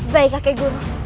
baik kakek guru